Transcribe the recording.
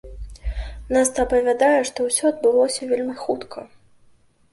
Наста апавядае, што ўсё адбылося вельмі хутка.